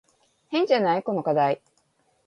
変じゃない？この課題。